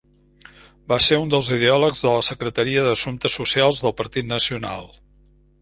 Va ser un dels ideòlegs de la Secretaria d'Assumptes Socials del Partit Nacional.